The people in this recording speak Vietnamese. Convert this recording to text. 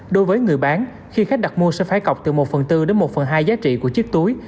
đối với người bán khi khách đặt mua sẽ phải cọc từ một phần bốn đến một phần hai giá trị của chiếc túi